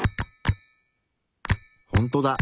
ほんとだ。